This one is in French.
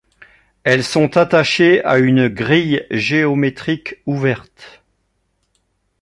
Elles sont attachées à une grille géométrique ouverte.